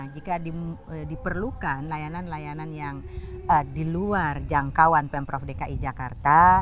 jika diperlukan layanan layanan yang di luar jangkauan pemprov dki jakarta